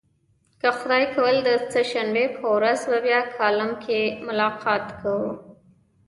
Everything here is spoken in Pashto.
که خدای کول د سه شنبې په ورځ به بیا کالم کې ملاقات کوو.